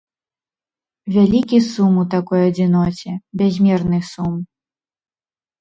Вялікі сум у такой адзіноце, бязмерны сум.